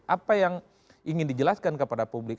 apa yang ingin dijelaskan kepada publik